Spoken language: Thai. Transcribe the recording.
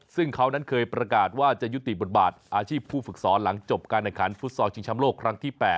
ซึ่งเขานั้นเคยประกาศว่าจะยุติบทบาทอาชีพผู้ฝึกสอนหลังจบการแข่งขันฟุตซอลชิงชำโลกครั้งที่๘